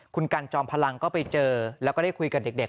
คุณกันจอมพลังก็ไปเจอแล้วก็ได้คุยกับเด็ก